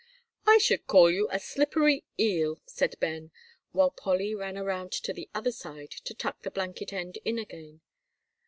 "I should call you a slippery eel," said Ben, while Polly ran around to the other side to tuck the blanket end in again.